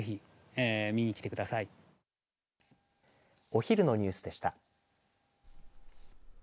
お昼のニュースでした。